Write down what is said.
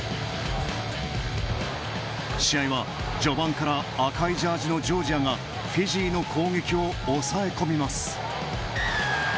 試合は序盤から赤いジャージのジョージアがフィジーの攻撃を抑え込みます。